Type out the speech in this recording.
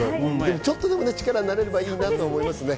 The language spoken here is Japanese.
ちょっとお力になればいいなと思いますけどね。